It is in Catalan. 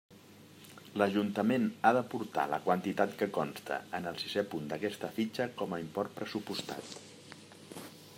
L'Ajuntament ha d'aportar la quantitat que consta en el sisè punt d'aquesta fitxa com a import pressupostat.